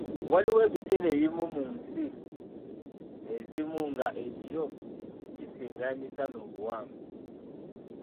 Waliwo ebiseera ebimu mu nsi ezimu nga ekiro kisinga emisana obuwanvu.